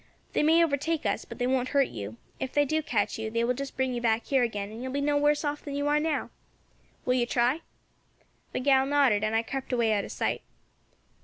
They may overtake us, but they won't hurt you; if they do catch you, they will just bring you back here again, and you will be no worse off than you are now. Will you try?' The gal nodded, and I crept away out of sight.